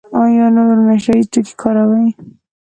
ایا نور نشه یي توکي کاروئ؟